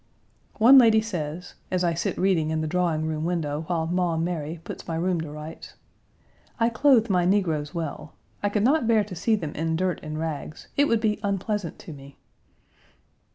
One lady says (as I sit reading in the drawing room window while Maum Mary puts my room to rights): "I clothe my negroes well. I could not bear to see them in dirt and rags; it would be unpleasant to me."